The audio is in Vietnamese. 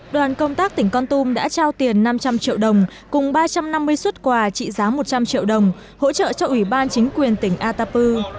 đoàn công tác tỉnh con tum đã trao tiền năm trăm linh triệu đồng cùng ba trăm năm mươi xuất quà trị giá một trăm linh triệu đồng hỗ trợ cho ủy ban chính quyền tỉnh atapu